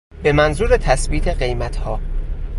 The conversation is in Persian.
به منظور تثبیت قیمتها